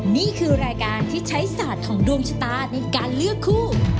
นี่คือรายการที่ใช้ศาสตร์ของดวงชะตาในการเลือกคู่